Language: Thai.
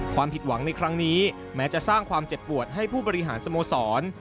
ความผิดหวังในครั้งนี้แม้จะสร้างความเจ็บปวดให้ผู้บริหารสโมสร